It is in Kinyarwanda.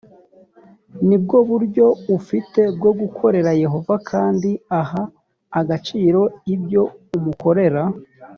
ni bwo buryo ufite bwo gukorera yehova kandi aha agaciro ibyo umukorera